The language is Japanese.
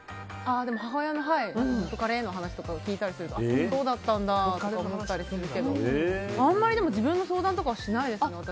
でも母親の元カレの話を聞いたりするとそうだったんだって思ったりするけど、あんまり自分の相談とかはしないです。